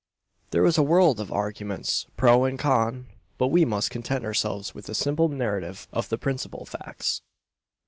There was a world of arguments pro. and con.; but we must content ourselves with a simple narrative of the principal facts.